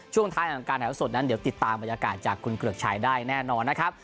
ช่วงท้ายของการแถวสดนั้นเดี๋ยวติดตามบรรยากาศจากคุณเกือกชัยได้แน่นอนนะครับ